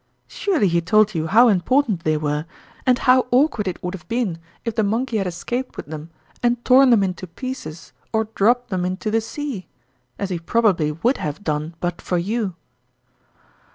Surely he told you how important they were, and how awkward it f&onrmalin's .first Cheque. 41 would have been if the monkey had escaped with them, and torn them into pieces or dropped them into the sea ? as he probably would have done but for you